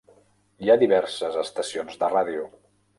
Hi ha diverses estacions de ràdio.